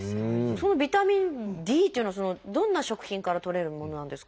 そのビタミンＤというのはどんな食品からとれるものなんですか？